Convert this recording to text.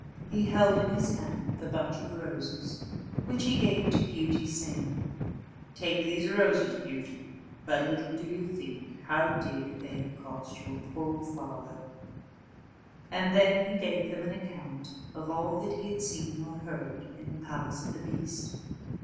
He held in his hand the bunch of roses, which he gave to Beauty saying, "Take these roses, Beauty; but little do you think how dear they have cost your poor father;" and then he gave them an account of all that he had seen or heard in the palace of the beast.